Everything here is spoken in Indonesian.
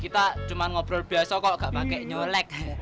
kita cuma ngobrol biasa kok gak pake nyelek